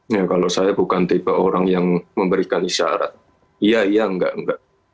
ya kalau saya bukan tipe orang yang memberikan isyarat iya iya enggak enggak